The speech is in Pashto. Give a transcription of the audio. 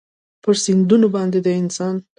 پر سیندونو باندې د انسان